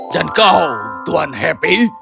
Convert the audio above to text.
dan kau tuan happy